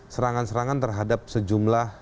serangan serangan terhadap sejumlah